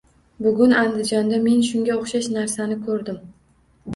Bugun Andijonda men shunga o'xshash narsani ko'rdim